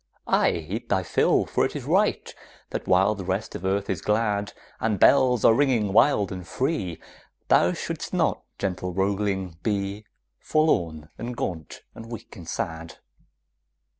Aye, eat thy fill, for it is right That while the rest of earth is glad, And bells are ringing wild and free, Thou shouldst not, gentle roachling, be Forlorn and gaunt and weak and sad.